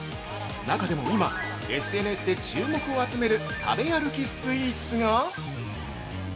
中でも今、ＳＮＳで注目を集める食べ歩きスイーツが？